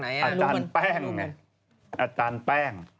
อาจารย์แป้ง